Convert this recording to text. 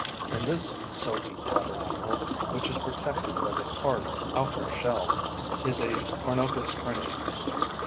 In this silky tabernacle, which is protected by the hard outer shell, is a Parnopes carnea.